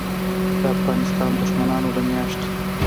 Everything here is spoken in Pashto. دافغانستان دښمنانودمیاشتو